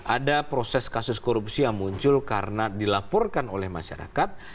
ada proses kasus korupsi yang muncul karena dilaporkan oleh masyarakat